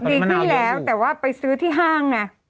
ดีขึ้นแล้วแต่ว่าไปซื้อที่ห้างไง